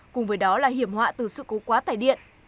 cùng với đó là hiểm họa từ sự cố quá tải điện